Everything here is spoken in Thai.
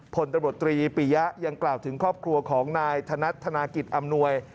พลตำรวจตรีปียะยังกล่าวถึงครอบครัวของนายธนัดธนากิจอำนวย